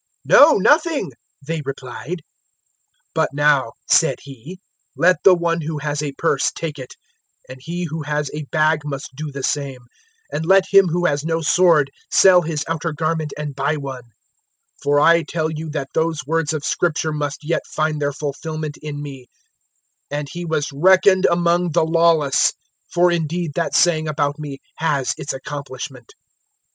"No, nothing," they replied. 022:036 "But now," said He, "let the one who has a purse take it, and he who has a bag must do the same. And let him who has no sword sell his outer garment and buy one. 022:037 For I tell you that those words of Scripture must yet find their fulfilment in me: `And He was reckoned among the lawless'; for indeed that saying about me has its accomplishment."